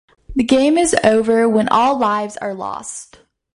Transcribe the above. The game is over when all lives are lost.